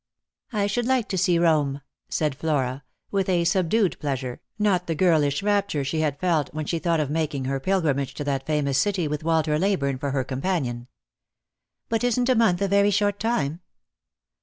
"I should like to see Rome," said Flora, with a subdued pleasure, not the girlish rapture she had felt when she thought of making her pilgrimage to that famous city with Walter Leyburne for her companion. " But isn't a month a very short time